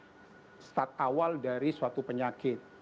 atau untuk menangkal stat awal dari suatu penyakit